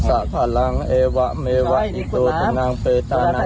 อันนี้มันบทกวดน้ำเนี่ยฮะ